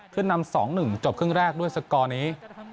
ขึ้นนำ๒๑จบครึ่งแรกด้วยสกอร์นี้